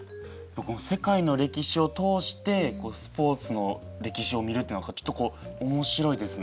世界の歴史を通してスポーツの歴史を見るっていうのはちょっとこうおもしろいですね。